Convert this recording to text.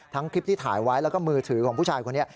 คลิปที่ถ่ายไว้แล้วก็มือถือของผู้ชายคนนี้